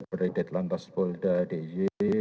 berhidat lantas polda ady